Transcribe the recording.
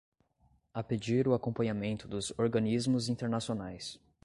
A pedir o acompanhamento dos organismos internacionais